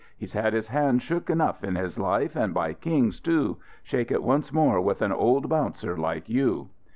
He's had his hand shook enough in his life, and by kings, too shake it once more with an old bouncer like you!"